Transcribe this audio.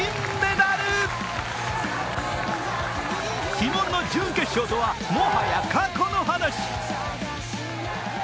鬼門の準決勝とはもはや過去の話。